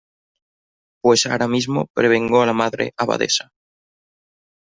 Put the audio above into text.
pues ahora mismo prevengo a la Madre Abadesa.